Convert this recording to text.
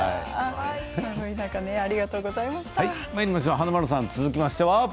華丸さん続きましては。